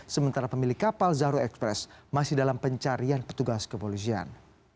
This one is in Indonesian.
sementara pemilik kapal zahro express masih dalam pencarian petugas kepolisian